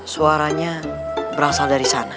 suaranya berasal dari sana